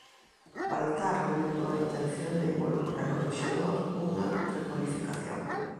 Baltar lamentou a intención de "involucrar" o rexedor unha recualificación.